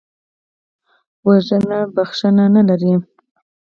وژنه بښنه نه لري